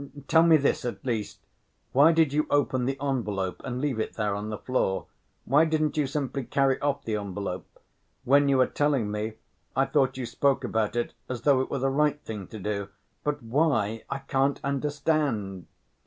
Tell me this at least, why did you open the envelope and leave it there on the floor? Why didn't you simply carry off the envelope?... When you were telling me, I thought you spoke about it as though it were the right thing to do ... but why, I can't understand...."